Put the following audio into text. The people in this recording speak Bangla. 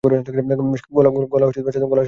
গলা সাদাটে।